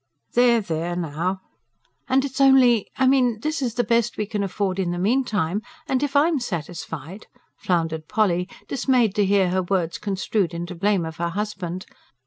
"There, there, now!" "And it's only ... I mean ... this is the best we can afford in the meantime, and if I am satisfied ..." floundered Polly, dismayed to hear her words construed into blame of her husband.